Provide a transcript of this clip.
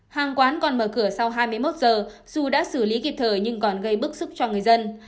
hàng quán còn mở cửa sau hai mươi một giờ dù đã xử lý kịp thời nhưng còn gây bức xúc cho người dân